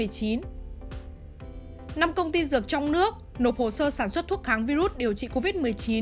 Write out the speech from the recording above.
năm công ty dược trong nước nộp hồ sơ sản xuất thuốc kháng virus điều trị covid một mươi chín